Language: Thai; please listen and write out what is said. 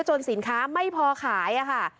สินค้าไม่พอขายค่ะ